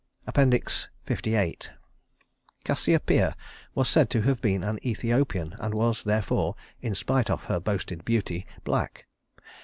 LVIII Cassiopeia was said to have been an Ethiopian; and was, therefore, in spite of her boasted beauty black.